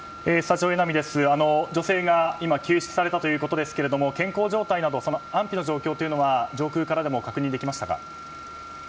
女性が今、救出されたということですけれども健康状態など安否の状況は上空からでも確認できますか？